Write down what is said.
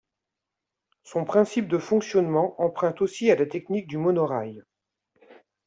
Son principe de fonctionnement emprunte aussi à la technique du monorail.